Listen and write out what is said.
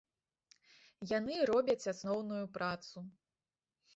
Яны робяць асноўную працу.